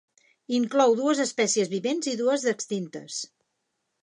Inclou dues espècies vivents i dues d'extintes.